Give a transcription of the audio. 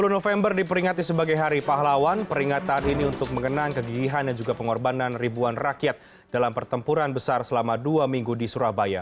sepuluh november diperingati sebagai hari pahlawan peringatan ini untuk mengenang kegigihan dan juga pengorbanan ribuan rakyat dalam pertempuran besar selama dua minggu di surabaya